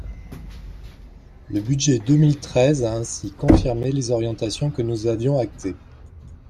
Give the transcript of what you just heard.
Le budget deux mille treize a ainsi confirmé les orientations que nous avions actées.